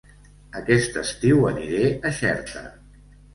Aquest estiu aniré a Xerta